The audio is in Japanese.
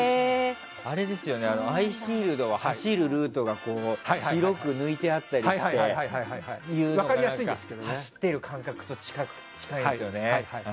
「アイシールド」は走るルートが白く抜いてあったりして走っている感覚と近いんですよね。